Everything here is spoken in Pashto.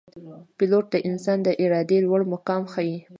پیلوټ د انسان د ارادې لوړ مقام ښيي.